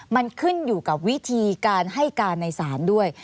มันขึ้นอยู่กับวิธีการให้การในศาลด้วย